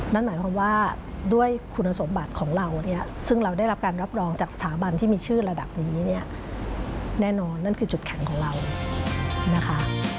นั่นหมายความว่าด้วยคุณสมบัติของเราเนี่ยซึ่งเราได้รับการรับรองจากสถาบันที่มีชื่อระดับนี้เนี่ยแน่นอนนั่นคือจุดแข็งของเรานะคะ